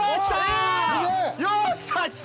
よっしゃきた！